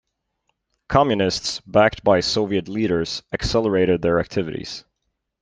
Communists, backed by Soviet leaders, accelerated their activities.